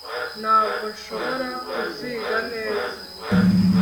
ntabwo nshobora, kuziga neza